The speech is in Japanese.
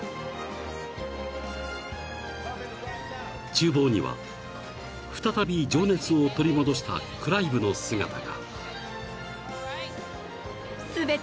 ［厨房には再び情熱を取り戻したクライブの姿が］